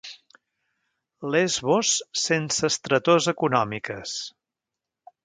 Lesbos sense estretors econòmiques.